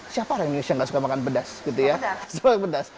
siapa orang indonesia yang gak suka makan pedas gitu ya pedas